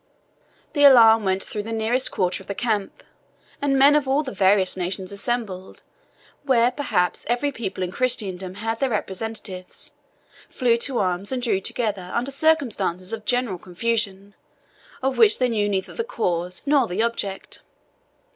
The alarm went through the nearest quarter of the camp, and men of all the various nations assembled, where, perhaps, every people in Christendom had their representatives, flew to arms, and drew together under circumstances of general confusion, of which they knew neither the cause nor the object.